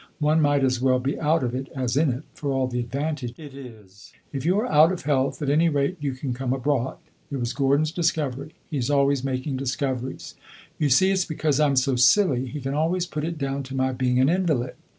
One might as well be out of it as in it, for all the advantage it is. If you are out of health, at any rate you can come abroad. It was Gordon's discovery he 's always making discoveries. You see it 's because I 'm so silly; he can always put it down to my being an invalid.